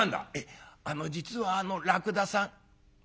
「あの実はあのらくださん」。